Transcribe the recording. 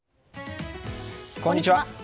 こんにちは。